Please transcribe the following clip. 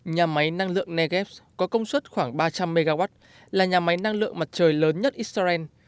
nhà máy năng lượng negev có công suất khoảng ba trăm linh mw là nhà máy năng lượng mặt trời lớn nhất israel